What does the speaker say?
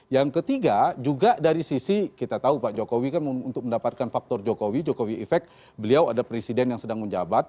yang ketiga juga dari sisi kita tahu pak jokowi kan untuk mendapatkan faktor jokowi jokowi effect beliau ada presiden yang sedang menjabat